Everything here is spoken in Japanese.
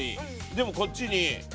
でもこっちに。